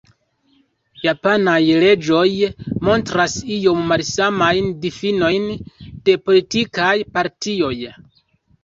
Japanaj leĝoj montras iom malsamajn difinojn de politikaj partioj.